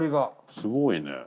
すごいね。